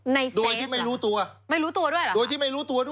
ในเซฟหรือคะไม่รู้ตัวด้วยหรือคะโดยที่ไม่รู้ตัว